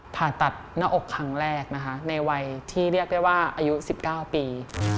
ผ่าตัดหน้าอกครั้งแรกนะคะในวัยที่เรียกได้ว่าอายุ๑๙ปี